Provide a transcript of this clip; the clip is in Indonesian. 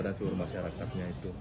dan seluruh masyarakatnya itu